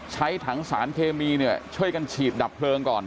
ใช้ถังสารเคมีเนี่ยช่วยกันฉีดดับเพลิงก่อน